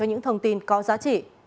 những thông tin có giá trị